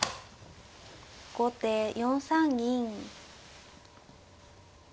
後手４三銀。